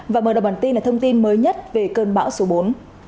và mời đọc bản tin là thông tin mới nhất về cơn bão số bốn